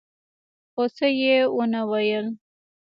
خو څه يې ونه ويل.